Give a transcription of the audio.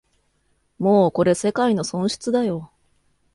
もうこれ世界の損失だよ